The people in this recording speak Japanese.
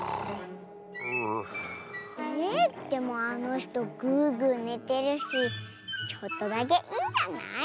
えでもあのひとグーグーねてるしちょっとだけいいんじゃない？